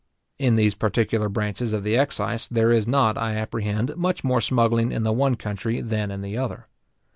In these particular branches of the excise, there is not, I apprehend, much more smuggling in the one country than in the other.